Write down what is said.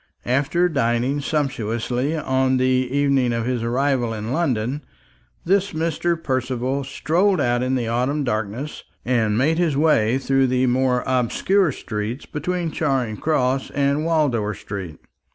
After dining sumptuously on the evening of his arrival in London, this Mr. Percival strolled out in the autumn darkness, and made his way through the more obscure streets between Charing Cross and Wardour street.